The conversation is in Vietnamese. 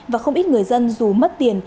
và không ít người dân dù mất tiền